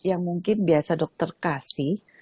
yang mungkin biasa dokter kasih